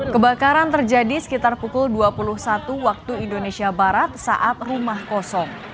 kebakaran terjadi sekitar pukul dua puluh satu waktu indonesia barat saat rumah kosong